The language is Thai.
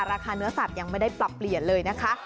ราคาเนื้อสัตว์ยังไม่ได้ปรับเปลี่ยนเลยนะคะ